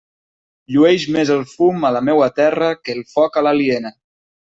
Llueix més el fum a la meua terra que el foc a l'aliena.